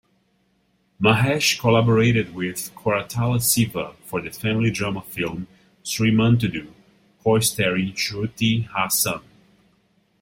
Mahesh collaborated with Koratala Siva for the family drama film "Srimanthudu" co-starring Shruti Haasan.